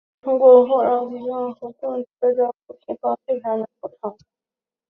只有通过赫拉迪方块和正确的物品配方才能合成。